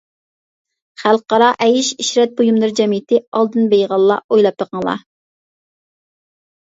خەلقئارا ئەيش-ئىشرەت بۇيۇملىرى جەمئىيىتى. ئالدىن بېيىغانلار، ئويلاپ بېقىڭلار!